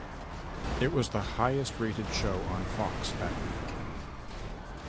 It was the highest rated show on Fox that week.